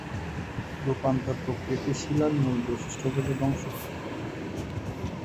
রূপান্তর প্রক্রিয়াটি শিলার মূল বৈশিষ্ট্যগুলো ধ্বংস করতে পারে।